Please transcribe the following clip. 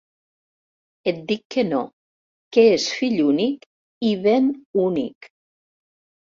Et dic que no, que és fill únic i ben únic.